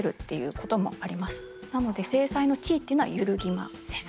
なので正妻の地位っていうのは揺るぎません。